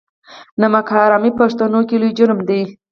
نمک حرامي په پښتنو کې لوی جرم دی.